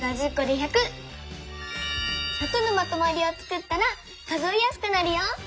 １００のまとまりをつくったら数えやすくなるよ！